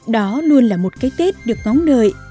đó luôn là một cái tết được ngóng đời